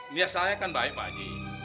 nih asalnya kan baik pak haji